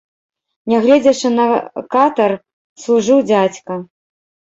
Нягледзячы на катар, служыў дзядзька.